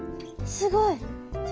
すごい！